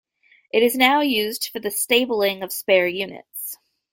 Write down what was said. It is now used for the stabling of spare units.